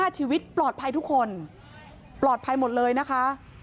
๕ชีวิตปลอดภัยทุกคนปลอดภัยหมดเลยนะคะ